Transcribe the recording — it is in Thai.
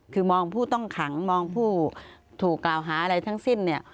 คือมองผู้ต้องขังมองผู้ถูกกล่าวหาอะไรทั้งสิ้นเนี่ย